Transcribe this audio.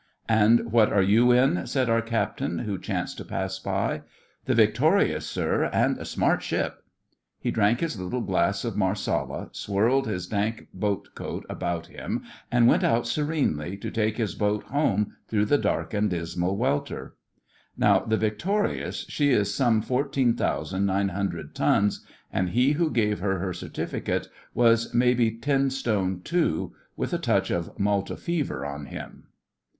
'And what are you in?' said our Captain, who chanced to pass by. 'The Victorious, sir, and a smart ship!' He drank his little glass of Marsala, swirled his dank boat cloak about him, and went out serenely to take his boat home through the dark and the dismal welter. Now the Victorious, she is some fourteen thousand nine hundred tons, and he who gave her her certificate was maybe ten stone two—with a touch of Malta fever on him!